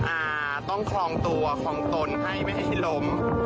อ่าต้องคลองตัวคลองตนให้ไม่ให้ล้ม